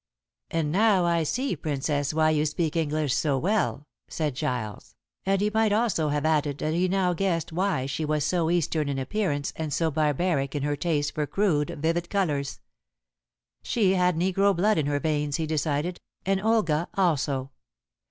"Ah, now I see, Princess, why you speak English so well," said Giles, and he might also have added that he now guessed why she was so Eastern in appearance and so barbaric in her taste for crude, vivid colors. She had negro blood in her veins he decided, and Olga also.